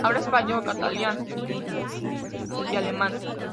Habla español, catalán, hindi, sindhi y alemán.